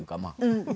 うん。